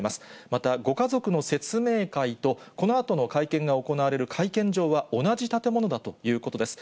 また、ご家族の説明会と、このあとの会見が行われる会見場は、同じ建物だということです。